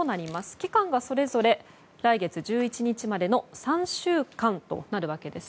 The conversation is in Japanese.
期間がそれぞれ来月１１日までの３週間となるわけです。